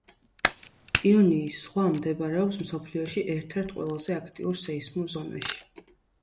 იონიის ზღვა მდებარეობს მსოფლიოში ერთ-ერთ ყველაზე აქტიური სეისმურ ზონაში.